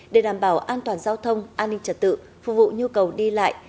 để đảm bảo an toàn giao thông an ninh trật tự phục vụ nhu cầu đi lại